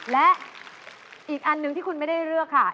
และอีกอันหนึ่งที่คุณไม่ได้เลือกค่ะ